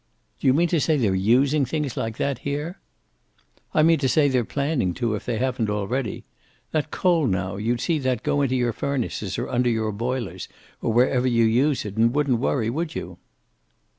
"Do you mean to say they're using things like that here?" "I mean to say they're planning to, if they haven't already. That coal now, you'd see that go into your furnaces, or under your boilers, or wherever you use it, and wouldn't worry, would you?"